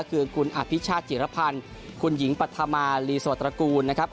คือคุณอภิชาติจิรพันธ์คุณหญิงปัธมารีสวตระกูลนะครับ